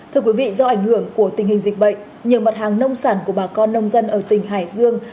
thưa quý vị do ảnh hưởng của tình hình dịch bệnh nhiều mặt hàng nông sản của bà con nông dân ở tỉnh hải dương